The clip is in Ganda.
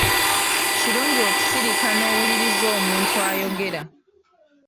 Kirungi okusirika n'owuliriza omuntu ayogera.